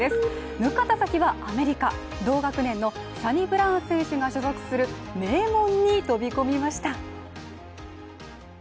向かった先はアメリカ、同学年のサニブラウン選手が所属する名門に飛び込みました。